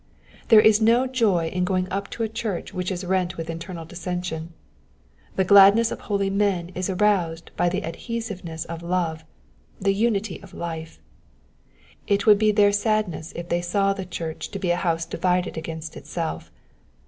There is no joy in going up to a church which is rent with internal dissension : the gladness of holy men is aroused by the ad hesiveness of love, the unity of life ; it would be their sadness if they saw the church to be a house divided against itself.